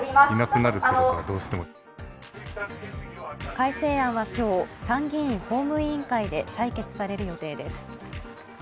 改正案は今日、参議院法務委員会で採決される予定です。